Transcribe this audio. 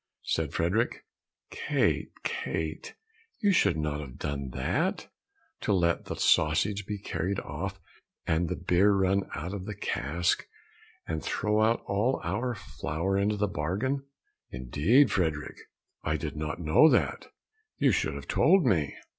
Said Frederick, "Kate, Kate, you should not have done that! to let the sausage be carried off and the beer run out of the cask, and throw out all our flour into the bargain!" "Indeed, Frederick, I did not know that, you should have told me."